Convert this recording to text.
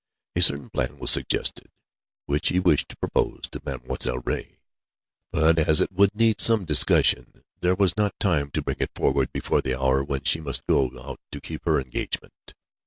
A certain plan was suggested, which he wished to propose to Mademoiselle Ray, but as it would need some discussion, there was not time to bring it forward before the hour when she must go out to keep her engagement.